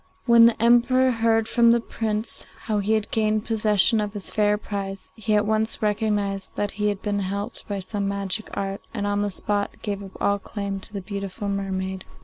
When the Emperor heard from the Prince how he had gained possession of his fair prize, he at once recognized that he had been helped by some magic art, and on the spot gave up all claim to the beautiful mermaid.